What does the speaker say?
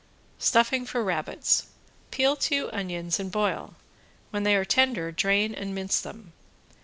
~STUFFING FOR RABBITS~ Peel two onions and boil, when they are tender drain and mince them.